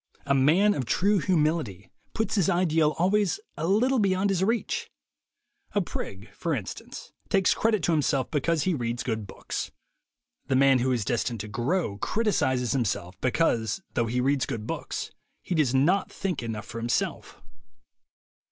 A man of true humility puts his ideal always a little beyond his reach. A prig, for instance, takes credit to him self because he reads good books. The man who is destined to grow criticizes himself because, though he reads good books, he does not think enough for himself.